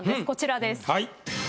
こちらです。